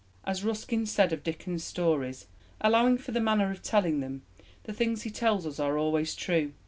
As Ruskin said of Dickens' stories, "Allowing for the manner of telling them, the things he tells us are always true.